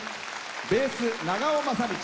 ベース、長尾雅道。